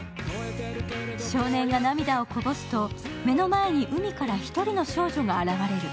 少年が涙をこぼすと、目の前に海から１人の少女が現れる。